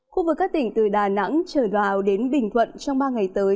khu vực các tỉnh từ đà nẵng trở vào đến bình thuận trong ba ngày tới